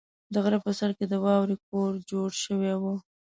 د غره په سر کې د واورې کور جوړ شوی و.